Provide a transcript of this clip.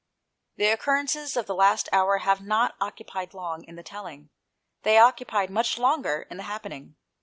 The occurrences of the last hour have not occupied long in the telling; they occupied much longer in the happening.